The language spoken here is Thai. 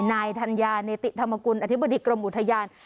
นายธัญญาเนติธรรมกุลอธิบดีกรมอุทยาน